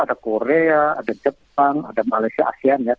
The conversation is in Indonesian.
jadi datang ke saya